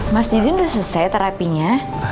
mas didin sudah selesai terapinya